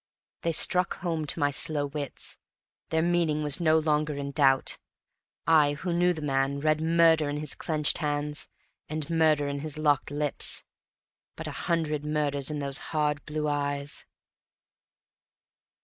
They struck home to my slow wits; their meaning was no longer in doubt. I, who knew the man, read murder in his clenched hands, and murder in his locked lips, but a hundred murders in those hard blue eyes.